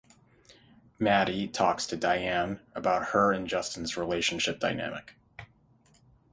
Maddy talks to Diane about her and Justin’s relationship dynamic.